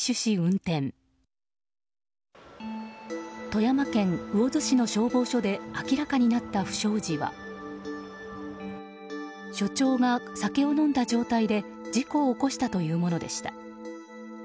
富山県魚津市の消防署で明らかになった不祥事は署長が酒を飲んだ状態で事故を起こしたというものでした。